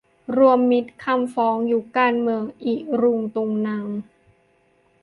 รวมมิตรคำฟ้อง ยุคการเมืองอิรุงตุงนัง